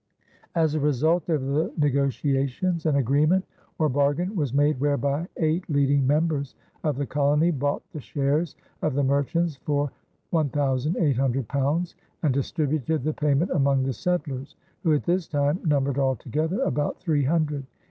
As a result of the negotiations an "agreement or bargen" was made whereby eight leading members of the colony bought the shares of the merchants for £1800 and distributed the payment among the settlers, who at this time numbered altogether about three hundred.